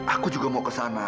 aku juga mau ke sana